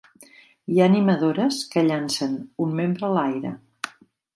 Hi ha animadores que llancen un membre a l'aire.